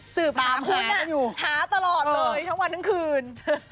สืบหาพุ้นหาตลอดเลยทั้งวันทั้งคืน